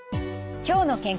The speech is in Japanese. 「きょうの健康」